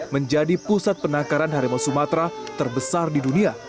menjadi pusat penangkaran harimau sumatera terbesar di dunia